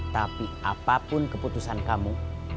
tapi apapun keputusan kamu